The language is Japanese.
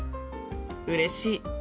うれしい。